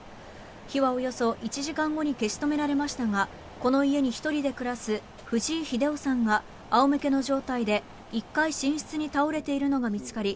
火はおよそ１時間後に消し止められましたがこの家に１人で暮らす藤井秀雄さんが仰向けの状態で１階寝室に倒れているのが見つかり